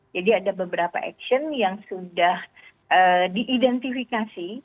jadi ada beberapa action yang sudah diidentifikasi